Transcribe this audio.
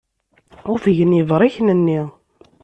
Ufgen yebṛiken-nni.